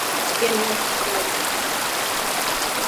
Yangendera mu kigaali muggulu .